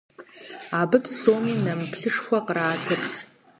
Абы псоми нэмыплъышхуэ къратырт.